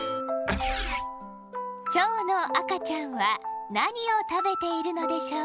ちょうのあかちゃんはなにをたべているのでしょうか？